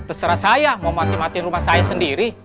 terserah saya mau mati matiin rumah saya sendiri